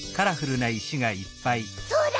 そうだ！